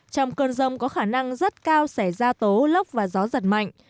trong cơn rông có khả năng rất cao xảy ra tố lốc và gió giật mạnh